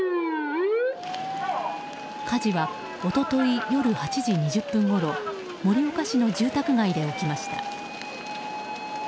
火事は一昨日夜８時２０分ごろ盛岡市の住宅街で起きました。